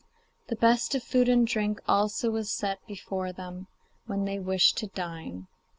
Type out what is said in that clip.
The best of food and drink also was set before them when they wished to dine.